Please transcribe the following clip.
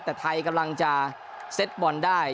แต่ไทยกำลังจะเซ็ตบอลได้